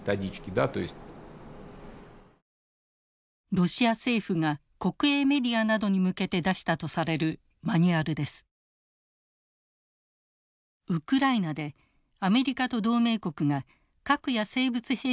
ロシア政府が国営メディアなどに向けて出したとされるマニュアルです。と記されていました。